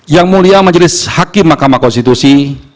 yang mulia majelis hakim mahkamah konstitusi